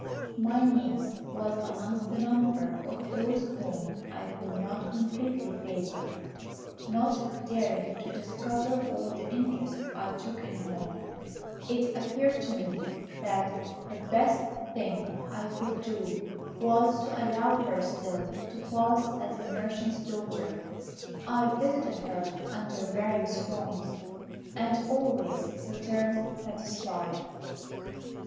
"My niece was amongst the number of those whom I could not completely favour. Not daring to discover all the interest I took in her, it appeared to me that the best thing I could do was to allow her still to pass as the merchant's daughter. I visited her under various forms, and always returned satisfied.